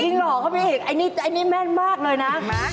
ยิ่งหล่อเข้าไปอีกอันนี้แม่นมากเลยนะ